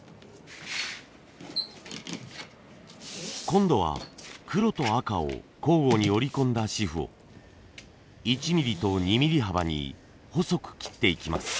今度は黒と赤を交互に織り込んだ紙布を１ミリと２ミリ幅に細く切っていきます。